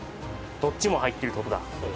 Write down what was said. どっちも入ってるってことだ